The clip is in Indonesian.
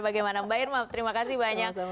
bagaimana mbak irma terima kasih banyak